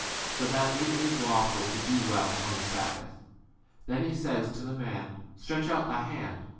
So that it is lawful to do 13 well on the sabbath. Then he says to the man, Stretch out thy hand.